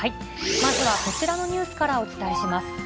まずはこちらのニュースからお伝えします。